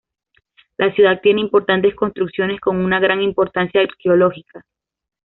La ciudad tiene importantes construcciones con una gran importancia arqueológica.